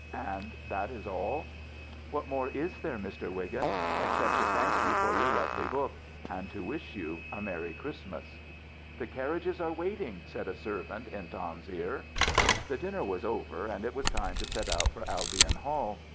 " And that is all ?" "What more is there, Mr. Wiggin? Ex cept to thank you for your lovely book, and to wish you a merry Christmas." 4 50 THE BACHELORS CHRISTMAS " Tlie carriages are Avaiting," said a ser vant in Tom's ear. The diuuer Avas over and it was time to set out for Albion Hall.